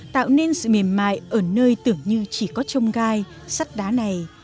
tạo nên sự mềm mại ở nơi tưởng như chỉ có trông gai sắt đá này